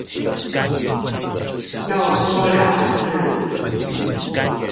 要說兩次